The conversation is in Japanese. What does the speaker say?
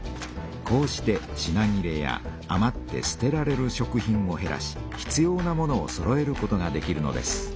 こうして品切れやあまってすてられる食品をへらし必要なものをそろえることができるのです。